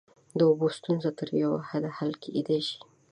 د اوبو ستونزه تر یوه حده حل کیدای شي.